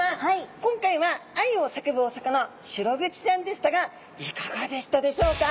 今回は愛を叫ぶお魚シログチちゃんでしたがいかがでしたでしょうか？